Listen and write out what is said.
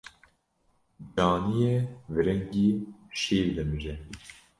Caniyê viringî şîr dimije.